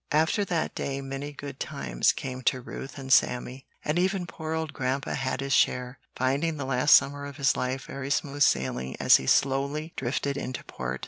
After that day many "good times" came to Ruth and Sammy; and even poor old Grandpa had his share, finding the last summer of his life very smooth sailing as he slowly drifted into port.